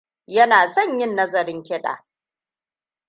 Yana son yin nazarin kiɗa.